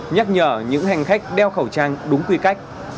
nhắc nhở những hành khách đeo khẩu trang đúng quy cách